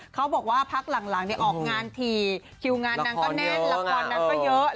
เขาบอกว่าพักหลังออกงานถี่คิวงานนางก็แน่นละครนางก็เยอะ